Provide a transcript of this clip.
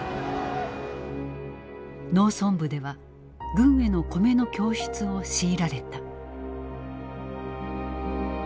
農村部では軍への米の供出を強いられた。